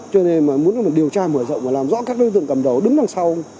cho nên mà muốn điều tra mở rộng và làm rõ các đối tượng cầm đầu đứng đằng sau